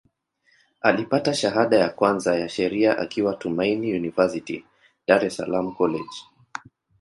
Alipata shahada ya kwanza ya Sheria akiwa Tumaini University, Dar es Salaam College.